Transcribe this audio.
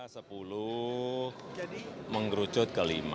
sepuluh mengerucut ke lima